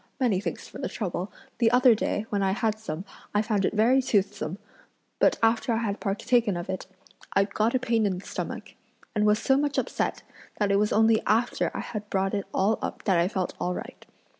many thanks for the trouble; the other day, when I had some, I found it very toothsome, but after I had partaken of it, I got a pain in the stomach, and was so much upset, that it was only after I had brought it all up that I felt all right.